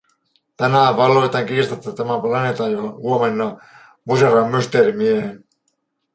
Tänään valloitan kiistatta tämän planeetan, ja huomenna muserran Mysteerimiehen.